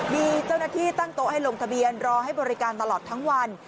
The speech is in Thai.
มีเจ้าหน้าที่ตั้งโต๊ะให้ลงทะเบียนรอให้บริการตลอดทั้งวัน